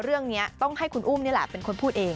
เรื่องนี้ต้องให้คุณอุ้มนี่แหละเป็นคนพูดเอง